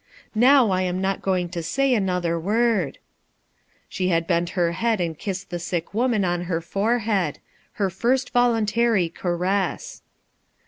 Now I am not going to say anotlier word." She bent her head and kissed the siek woman on her forehead — her first voluntary caress.